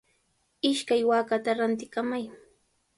Ishkay waakata rantikamay.